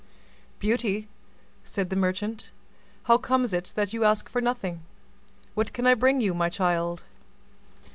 "Beauty," said the merchant, "how comes it that you ask for nothing: what can I bring you, my child?"